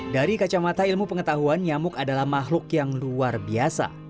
dari kacamata ilmu pengetahuan nyamuk adalah makhluk yang luar biasa